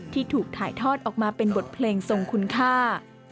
ที่ถูกถ่ายทอดออกมาเป็นบทเพลงทรงคุณค่า